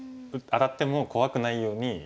当たっても怖くないように。